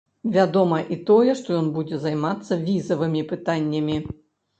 Вядома і тое, што ён будзе займацца візавымі пытаннямі.